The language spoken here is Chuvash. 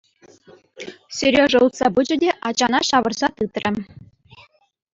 Сережа утса пычӗ те ачана ҫавӑрса тытрӗ.